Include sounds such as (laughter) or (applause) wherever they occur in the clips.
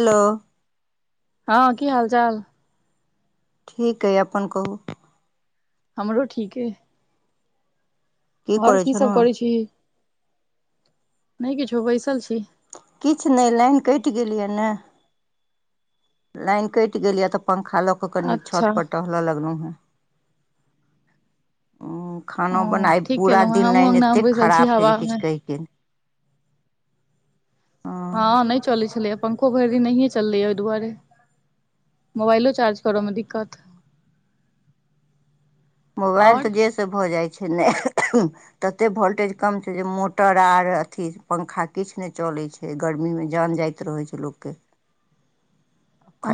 Hello. हां की हाल-चाल। ठीक अय, अपन कहू। हमरो ठीक अय। और करै की छलहुँ सब हेँ करै छी, नै किछो बैसल छी। किछ नै लेन कैट गेल या नै। लैन कैट गेल या तऽ पंखा लऽ क कनी अच्छा छत पर टहलअ लगलु हेँ। हेँ खाना ओ बनाय ठीक पूरा कैलौ हेँ, दिन हमु लाइन अंगना मे एतेक बैसल छी खराब छै जे किछु हवामे। (inaudible) कहिके नहि हँ हँ, नहि चलै छलैए पंखो भैर दिन नहिये चललै या ओय दुआरे मुबाएलो चार्ज तोरो मे दिक्कत मुबाएल तऽ आओर जे सब भ जाइ छै नै तते भोल्टेज कम छै जे मोटर आर अथी पंखा किछ नै चल लै छै गर्मी मे जान जायत रहै छै लोक के। (inaudible)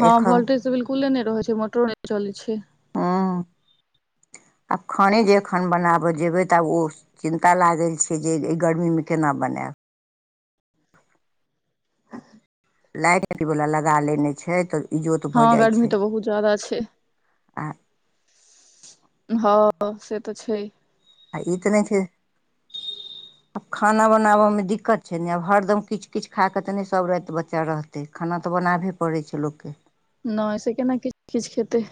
हां भोल्टेज तऽ बिलकुले नै रहै छै मोटरो नै चलै छै। हां, आ खाने जे एखन बनाबय जेबै तऽ आब ओ चिन्ता लागल छै जे ए गर्मीमे केना बनाएब। लाइट अथी वला लगा लेने छै तऽ इजोत हँ भऽ जाय गर्मी छै। तऽ बहुत ज्यादा आ हां से तऽ छै। आ ई ते नै छै। खाना बनाबे में दिक्कत छै नै अब हरदम किछ-किछ खाय के त ने सब राएत बच्चा रहते, खाना तऽ ब बनाभे पड़ै छै लोकके। नै ऐसे केना कि किछ खेतै।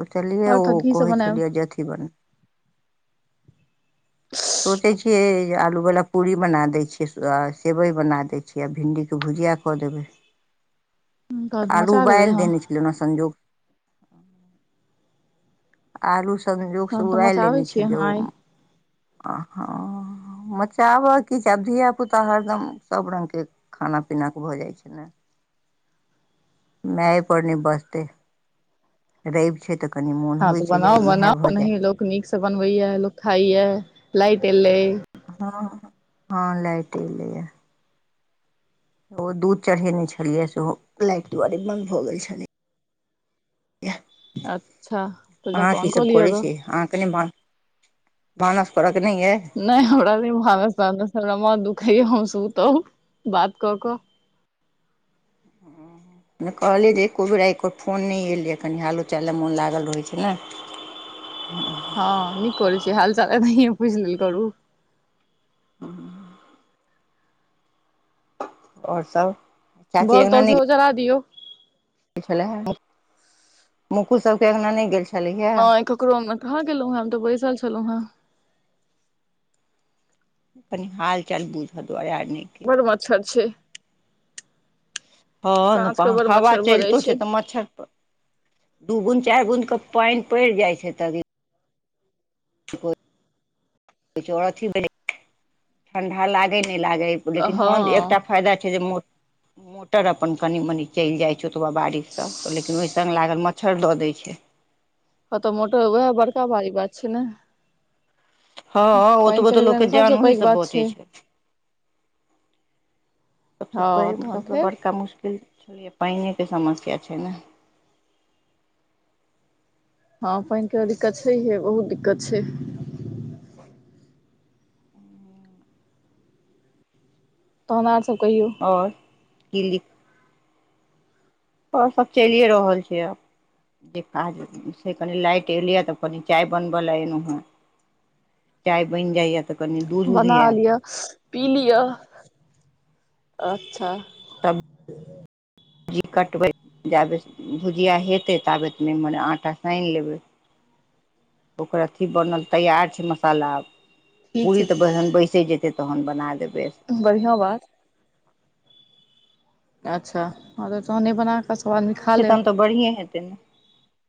सोचलियै आओर ओ तखन की सब कहै बनायब छलियै जेथी बन सोचै छियै आलू वाला पूरी बना दै छियै आ सेवय बना दै छीयै, भिंडी के भु जिया क देबै। तहन तऽ आलू मचा देबै उबाएल अहाँ देने छैलौ ओना संजोग आलू संजोग सँ तहन तऽ उबाएल मचाबै लेने छी छलौ। अहाँ आइ आ हां मचाबा की छै आब धिया पुता हरदम सब रंग के खाना पी ना के भऽ जाय छै नै। (inaudible) माय पर नै बजते रैब छै तऽ कनि मोन होय बनाउ-बनाउ नहि लोक नीक से बनवे या, लोक खाय या, लाइट एलै। हां-हां लाइट एले या। ओ दूध चढ़ेने छलियै सेहो लाइट दुआरे बन्द भऽ गेल छलै। अच्छा तऽ अहाँ जाकऽ की ऑन कऽ सब लिअ करै ग छी अहाँ के नै भा भानस करब। नै हमरा अभी भानस-तानस हमरा माथ दु खाए या हम सुतब बात कऽ क। नै कहलियै जे एको बेर आय एकोर फोन नै एलैया, कनि हालो-चाल लए मोन लागल रहै छै नै। हां निक करै छी हाल-चाल एन्हिये पुछ लेल करू। (unintelligible) और सब चाची अङ्गना बौल-तौल नहि सेहो जरा दियौ। छलै हे, मु मुकुल सबके अंगना नै गेल छ नै ककरो अंगना कहाँ गेलौ हेँ हम तऽ बैसल छलौ हेँ। तनी हाल-चाल बूझा दुआरे आर नहि गेल बड़ मच्छर छै। हां नै साँझ प के बड़ हवा मच्छर भऽ जाइ चैलतो छै तऽ मच्छर प दू बूंद, चार बूंद के पेएन पैड़ जाय छै तनी (unintelligible) ठंढा लागै नै लागे हँ लेकिन हां एकटा फायदा छै जे मो मोटर अपन कनि-मनी चैल जाय छै। ओतबा बारिश सँ तऽ लेकिन ओय संग लागल मच्छर दऽ दै छै। हां तऽ मोटर उहाए बड़का भारी बात छै नै। हां ओतबो तऽ लोकके सभसँ जान पैघ वही से बात बचै छै। सबसे हँ पैघ तहन सबसे फेर बड़का मुश्किल छै या पेएने के समस्या छै नै। हां पेएन के दिक्कत छैहिये बहुत दिक्कत छै। हुं। तहन आर सब कहियौ और किलिक और सब चलिये रहल छै आब। जे काज से कनि लाइट एलैया तऽ कनि चाय बनबय ला एलु हेँ। चाय बैन जाय या तऽ कनि दूध उध बना आयत लियो, पी तहन लियो अच्छा। जी कटबै। जाबे भुजिया हेतै, ताबत मे हमर आटा साएन लेबै। ओकर अथि बनल तैयार छै मसाला आ ठीक पूरी तऽ बहन बैसे जेते तहन बना देब। बढ़ियाँ बात अच्छा हां तऽ तहन ई बना कऽ सब आदमी खा तहन लेब। तऽ बढ़िए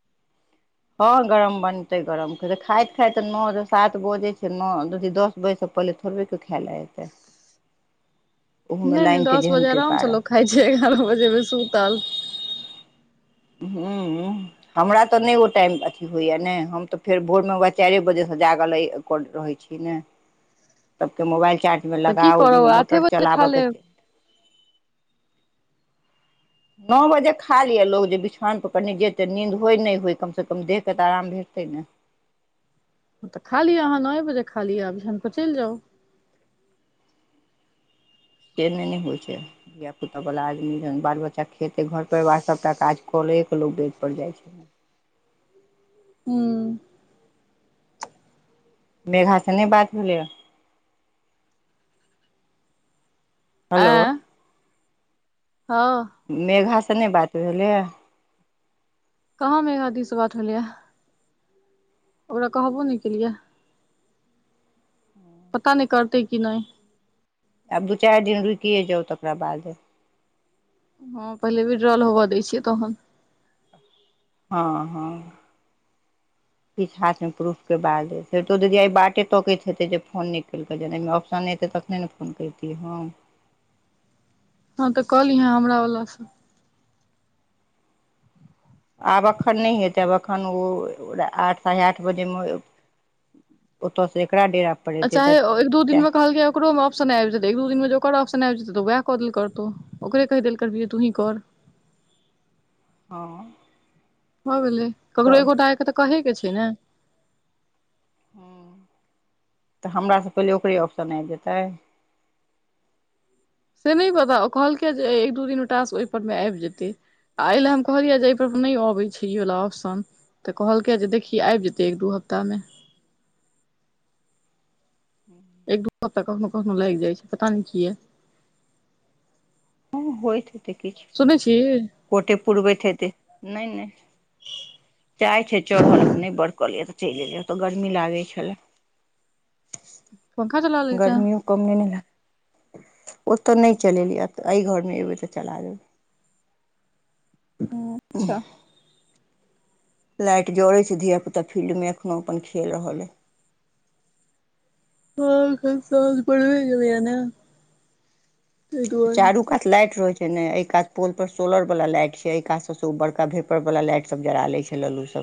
(inaudible) हां गरम बनतै, गरम खेतै, खाएत-खाएत ते न सात बजे छै न अथी दस बजे से पहले थोरबे कियो खाय लै हेतै। (inaudible) नै-नै दस बजे अराम कृपा से लोक रहतै खाय छै, एगारअ बजे मे सुतल। हुं हमरा तऽ नै ओ टाइम अथी होयया नै हम तऽ फेर भोर मे उहाए चाएरे बजे से जागल रहै (unintelligible) रहै छी नै सबके मुबाएल चार्ज मे तऽ की लगाउ, करब आठे मोटर बजे खा चलाबै के लेब नौ बजे खा लिये लोग जे बिछौन पर कनि जेते नीन्द होय नै होय, कम से कम देह के तऽ आराम भेट ते नै। (inaudible) हां तऽ खालियो अहाँ नौए बजे खालियो आ बिछौन पर चैल जाउ। से नै ने होय छै, धिया पुता वला आदमी जहन बाल-बच्चा खेतै, घर-परिवार सबटा काज क ले के लोग बेड पर जाय छै। हुं। मेघा से नै बात भेलैया। आँ। मेघा से नै बात भेल या। कहाँ मेघा दी से बात भेल या। ओकरा कहबो नै केलियै। पता नै करते कि नै। आब दू चाएर दिन रुकिये जाउ तकरा बादे। हां पहिले विड्रॉल होबा दै छियै तहन। हां-हां। (inaudible) किछ हाथ मे प्रूफ के बादे, श्वेतो दीदी आ बाटे तकैत हेतै जे फोन नै केलकै, जहन ए मे ऑप्शन एते तखने नै फोन कैरती हम। (inaudible) हम त कहलियै हे हमरा ओ ल चल। आब अखैन नै हेतै आब अखैन ओ आठ साढ़े आठ बजे मे ओत से एक आ चाहे एक दिन मे कहलकै ओकरो मे आप्शन आबि जेतै, एक दू दिन मे जे ओकर ऑ्प्शन आप्शन आबि जेतै त वैह क देल करतौ ओकरे कहि देल करबही जे तुही कर हँ भ गेलै, ककरो तऽ एक गोटा के त कहै के छै ने ह (inaudible) त हमरा से पहिले ओकरे ऑप्शन आबि जेतै। से नहि पता कहलकैये जे एक दू दिन मे टास्क ओहि पर मे आबि जेतै। आ एहि ले हम कहलियै जे एहि पर नहि अबै छै ई वला ऑप्शन त कहलकै जे देखी आबि जेतै एक दू हफ्ता हफ्ता मे। एक दू हफ्ता कखनो कखनो लागि जाइ छै पता नहि कियै होइत हेतै किछु कोटे पुरबैत हेतै नै नै। चाय छै चढल नै बड़कलै चलि एलियै ओत गर्मी लागै छले। पंखा चला लेलही तैं गर्मियों कम नहि ने छै। ओतय नहि चलेलियै एहि घरमे एबै त चला देबै। अच्छा। लाइट जड़ै छै धियापुता फील्डमे एखनहु अपन खेल रहल अइ। सांझखन आनि लेबै ने। तै दुआरे चारू काात लाइट रहै छै। ने एहि कात पोल पर सोलर वला लाइट छै एहि काज सब से ओ बड़का भेपर वाल लाइट सब जरा ले छै लालूस।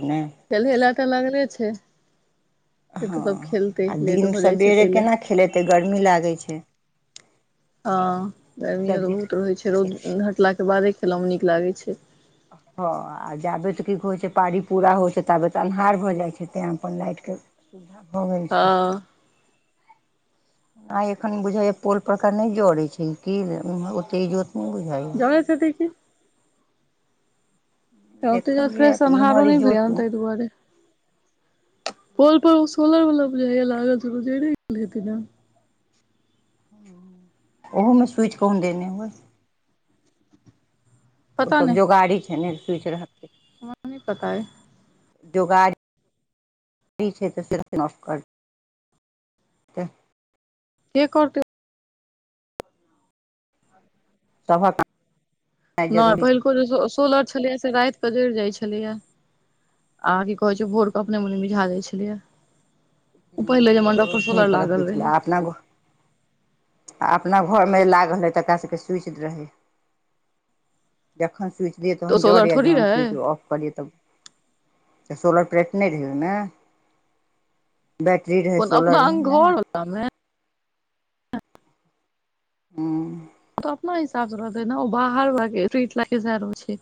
खेल वलाके लगले छै। से हँ तऽ सब खेलतै आ लेट दिन भऽ जाइ छै सवेरे ताहि लए केना खेलेतै गर्मी लागै छै। हँ गर्मियो त सबे बहुत रहैत छै, रौद घटलाके बादे खेलाइमे नीक लागै छै। हँ आ जाबे त की कहै छै पानी पड़ी पूरा होइ जाइ छै ताबे त अन्हार भ जाइ छै तैँ अपन लाइट सुविधा भ गेल छै। हँ आ एखन बुझैये पोल परके नै जरै छै कि ओते जे जरै छै कि त ओते देखलियै फ्रेश तऽ अन्हारो इम्हर नहि भेलैये इजोत तै दुआरे पोल पर सोलर वला जे लागल छै, जैरे गेल हेतै ने। ओहू मे स्विच कहीं देने होइ। ओ पता सब नहि जोगाड़ी छै ने स्विच रहतै हमरा नै पता अछि। जोगारी छै त आन ऑफ कर हुं के करतै सबहक नै पहिलुको जे सोलर छलैए से गायब कय देल जाइत छलैए। आ की कहैत छै भोरके अपने मने मिझा जाइत छलैये। हं ओ रोशनी पर होइ छलै रहै अपना आ अपना घरमे लागल रहै त एकरा सभके स्वीच रहै। जखन स्विच दियै तऽ तखन ओ जरै सोलर आ थोड़ी जखन रहै स्विच ऑफ करियै तब ए सोलर प्लेट नै रिहौ नै। बैटरी रहै, कोन अपना सोलर रहै नै। घर वला मे हुं। त अपना हिसाब से रहतै ना उ बाहर (unintelligible) लखीसराय छै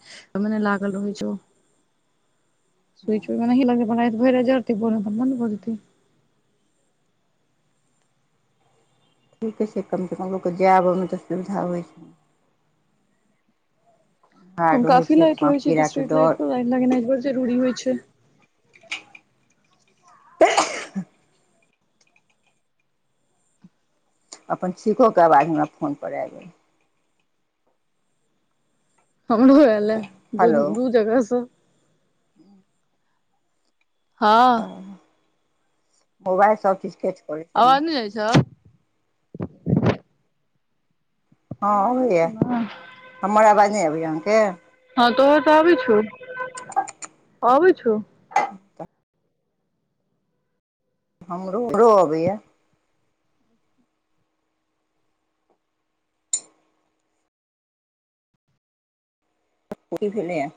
मने लागल रहै छै ओ। स्विच ओनेहि लगलै राएत भैर राएत जड़तै भोर मे अपन बंद भ जेतै। ठीके छै, कम से कम लोक के जाय आबै मे तऽ सुविधा होय छै। ओय हार मे रहै काफी लाइट रहै साँप छै कि कीड़ाके स्ट्रीट डर लाइट पर लाइन लगेना बहुत जरूरी होय छै। (unintelligible) अपन छींको के आवाज हमरा फोन पर आएब गेल। हमरो आएल ए दु दू जगह से। ऊंह। हां। मुबाएल सब चीज के अवाज नै जाय छो। हँ अवाज जाय छो अबैया नै हमर आवाज नहि अबैया अहाँके हां तोहर त आबै छौ, आबै छौ। हमरो, हमरो आबैया। (unintelligible) भेले या।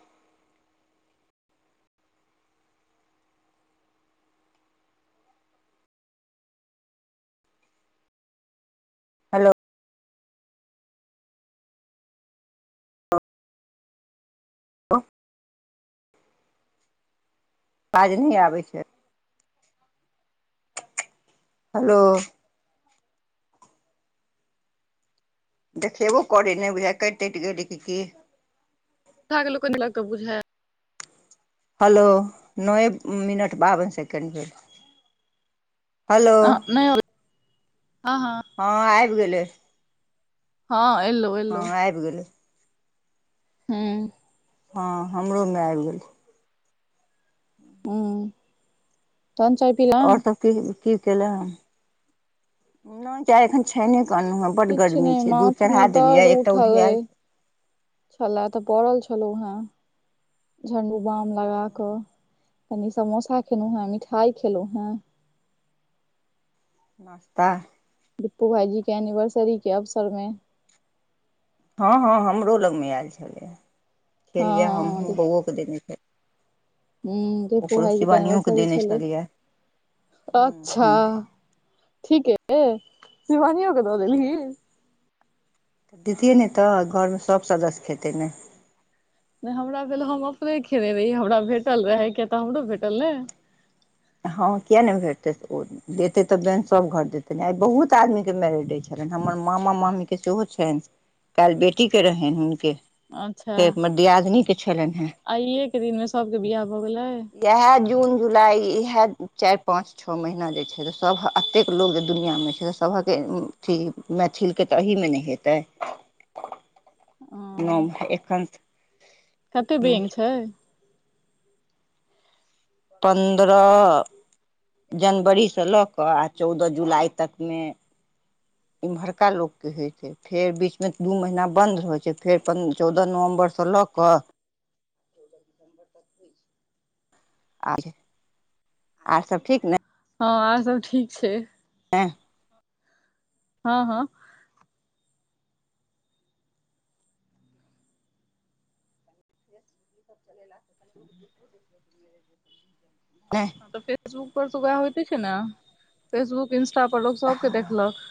हेलो। अवाज नै आबै छै। हेलो। देखेबो करै नै बुझाय कैट-तैट गेलै कि की। (unintelligible) लोके नै ला कऽ बुझाय हलो नौए मिनट बाबन सेकेण्ड भेल। हलो नहि हँ हँ हां आएब गेलै। हां। हां आएब गेलै। ह्म्म। हां हमरो मे आएब गेलै। ऊं तहन चाय पीलौ। आओर सभ की की केलै हें नै चाय एखन छैने क अनलु हय बड किछु गर्मी नहि छै, दूध माथ चढ़ा देलियै एकटा उधिया छलाए तऽ पड़ल छलौ हेँ झण्डू बाम लगा कऽ। कनी समोसा खेलौ हें, मिठाय खेलौ हें। नाश्ता। दिप्पू भाईजी के एनिवर्सरी के अवसर मे। हां-हां हमरो लगमे आएल छलैए, खेलिये हँ हमहु बौअवो के देने छै। ह्म्म दिप्पु भाईजी के शिवानियोके एनिवर्सरी देने छलै। छलियै हूँ अच्छा हूँ ठीके। ए शिवानियो के दऽ देलीह। दैतियै नै तऽ घरमे सब सदस्य खेतै नै। नै हमरा भेल हम अपने खेेनै रहि, हमरा भेटल रहै किया तऽ हमरो भेटल नै। हां किया नै भेटत ओ देतै तऽ बेन सब घर देतै ने आय बहुत आदमी के मैरेज डे छ लैन, हमर मामा-मामी के सेहो छैन, काएल बेटी के रहैन हुनके। अच्छा फेर हमर दियादिनी के छलैन हेँ। आइए के दिनमे सभके बियाह भऽ गेलै इएह जून जुलाई वएह चारि पाँच छौ महीना जे छैय तऽ सब एतेक लोक जे दुनिआँमे छैय तऽ सभके अथी मैथिलके तऽ अहीमे नहि हेतै। ओं नाम एखन कतेक बैंग छैय। पन्द्रह जनवरीसँ लऽ कऽ आ चौदह जुलाइ तकमे (inaudible) इम्हरका लोकके होइत छैय फेर बीचमे दू महीना बंद होए छैय फेर चौदह नवम्बर स लऽ कऽ (inaudible) आ आर सब ठीक ने। हँ आर सब ठीक छैय। (unintelligible) हँ हँ। (inaudible) तऽ फेर फेसबुक पर त व्याह होते छैयने फेसबुक इंस टा पर लोक सबके देखलक।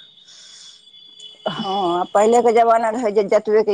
हँ पहिलेके जमाना रहै जे जतबेके